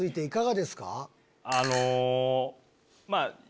あのまぁ。